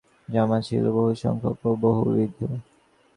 পূর্ব আশ্রমে শ্রীযুক্ত অতীন্দ্রবাবুর জামা ছিল বহুসংখ্যক ও বহুবিধ।